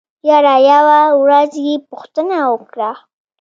يره يوه ورځ يې پوښتنه وکړه.